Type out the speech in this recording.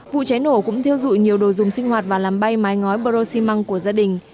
vụ cháy nổ cũng thiêu dụi nhiều đồ dùng sinh hoạt và làm bay mái ngói bờ rô xi măng của gia đình